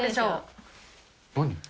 何？